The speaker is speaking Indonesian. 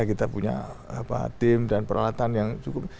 kita punya tim dan peralatan yang cukup